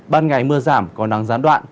ban ngày mưa giảm có nắng gián đoạn